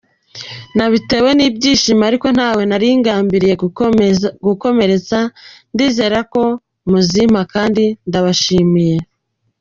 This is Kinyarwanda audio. Nabitewe n’ibyishimo ariko ntawe nari ngambiriye gukomeretsa ndizera ko muzimpa kandi ndabashimira.